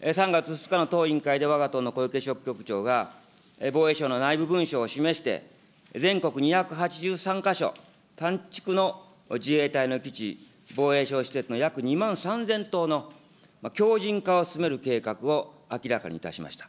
３月２日の党委員会でわが党の小池局長が防衛省の内部文書を示して、全国２８３か所、の自衛隊の基地、約２万３０００棟の強じん化を進める計画を明らかにいたしました。